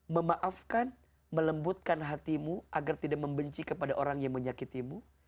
memaafkan melembutkan hatimu agar tidak membenci kepada orang yang menyakitimu